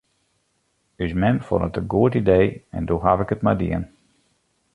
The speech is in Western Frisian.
Us mem fûn it in goed idee en doe haw ik it mar dien.